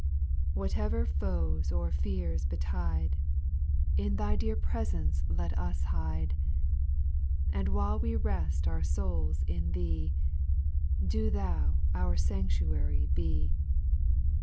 2. Whatever foes or fears betide, Li Thy dear presence let us hide ; And while we rest our souls on Thee, Bo Thou our sanctuary be.